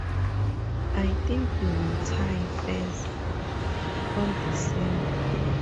I think you will tire first, all the same.